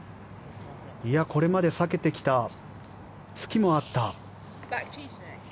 これまで避けてきたツキもあった。